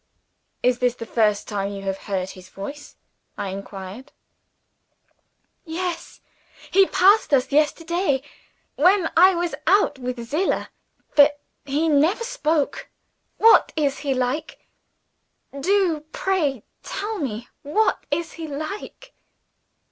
"Is this the first time you have heard his voice?" I inquired. "Yes. He passed us yesterday, when I was out with Zillah. But he never spoke. What is he like? Do, pray tell me what is he like?"